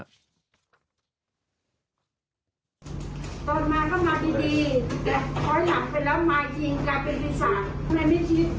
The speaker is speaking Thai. ตอนนั้นก็มาดี